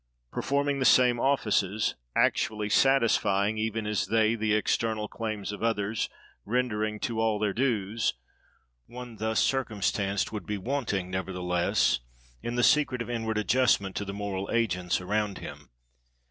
Performing the same offices; actually satisfying, even as they, the external claims of others; rendering to all their dues—one thus circumstanced would be wanting, nevertheless, in the secret of inward adjustment to the moral agents around him.